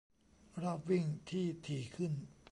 - รอบวิ่งที่ถี่ขึ้น